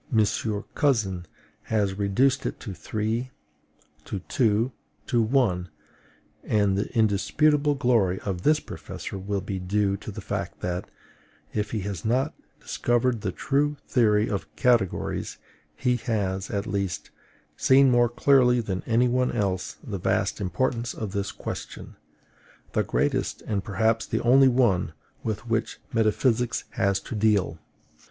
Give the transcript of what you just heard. Cousin has reduced it to three, to two, to one; and the indisputable glory of this professor will be due to the fact that, if he has not discovered the true theory of categories, he has, at least, seen more clearly than any one else the vast importance of this question, the greatest and perhaps the only one with which metaphysics has to deal.